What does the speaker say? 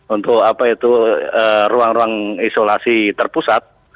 untuk ruang ruang isolasi terpusat